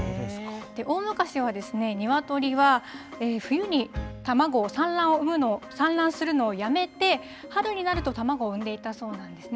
大昔は、鶏は冬に卵を産卵するのをやめて、春になると卵を産んでいたそうなんですね。